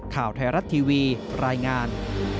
ข่าวไทยรัฐทีวีรายงาน